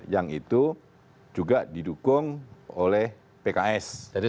yang itu juga didukung oleh pks